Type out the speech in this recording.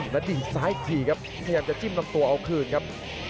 นาดีซ้ายถี่ครับพยายามจะจิ้มลำตัวเอาคืนครับ